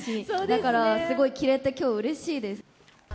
だからすごい着れてきょう、うれしいです。